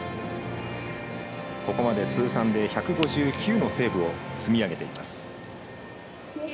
ここまで通算で１５９のセーブを積み上げています。